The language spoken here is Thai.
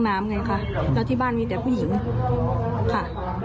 ไงค่ะแล้วที่บ้านมีแต่ผู้หญิงค่ะ